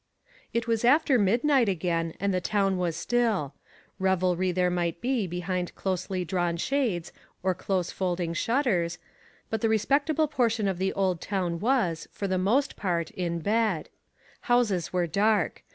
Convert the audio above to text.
It was after midnight again and the town was still. Revelry there might be be hind closely drawn shades, or close folding shutters, but the respectable portion of the old town was, for the most part, in bed. Houses were dark.